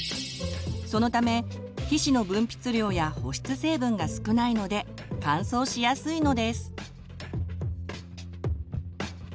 そのため皮脂の分泌量や保湿成分が少ないので乾燥しやすいのです。